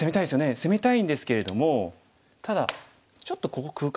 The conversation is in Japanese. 攻めたいんですけれどもただちょっとここ空間ありますよね。